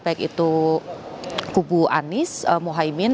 baik itu kubu anies mohaimin